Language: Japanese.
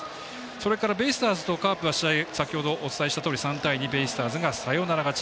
それからベイスターズとカープは試合、先ほどお伝えしたとおり３対２ベイスターズがサヨナラ勝ち。